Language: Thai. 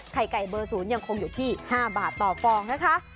ไข่ไก่เบอร์๐ยังคงอยู่ที่๕บาทต่อฟองนะคะ